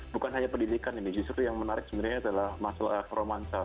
bukan hanya pendidikan ini justru yang menarik sebenarnya adalah masalah romansa